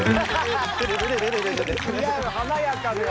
華やかで。